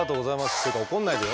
っていうか怒んないでよ。